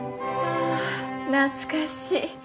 あ懐かしい。